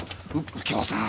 右京さん！